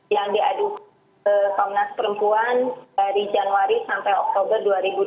yang diadukan ke komnas perempuan dari januari sampai oktober dua ribu dua puluh